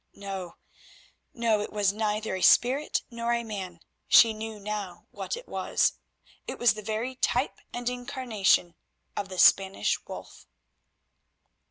No—no, it was neither a spirit nor a man, she knew now what it was; it was the very type and incarnation of the Spanish Wolf.